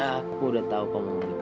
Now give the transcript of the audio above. aku udah tahu kamu